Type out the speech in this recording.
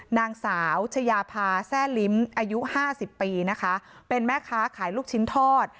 นางสาวชายาพาแซ่ลิ้มอายุห้าสิบปีนะคะเป็นแม่ค้าขายลูกชิ้นทอด